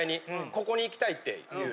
ここに行きたいっていう。